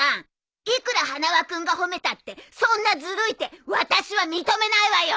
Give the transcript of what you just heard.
いくら花輪君が褒めたってそんなずるい手私は認めないわよ。